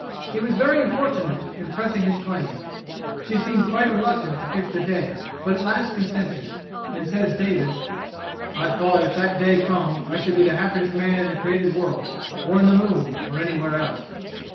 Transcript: He was very importunate in pressing his claims. She seemed quite reluctant to fix the day, but at last consented; and says David, "I thought if that day come, I should be the happiest man in the created world, or in the moon, or anywhere else."